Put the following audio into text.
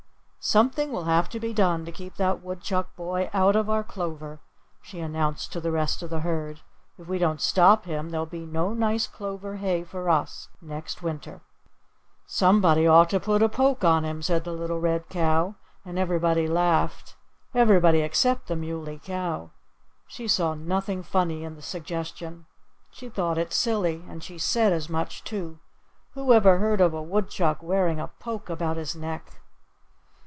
"Something will have to be done to keep that Woodchuck boy out of our clover," she announced to the rest of the herd. "If we don't stop him there'll be no nice clover hay for us next winter." "Somebody ought to put a poke on him," said the little red cow. And everybody laughed everybody except the Muley Cow. She saw nothing funny in the suggestion. She thought it silly; and she said as much, too: "Who ever heard of a Woodchuck wearing a poke about his neck?"